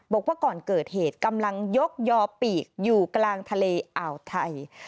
บอกว่าก่อนเกิดเหตุกำลังยกยอปีกอยู่กลางทะเลอ่าวไทย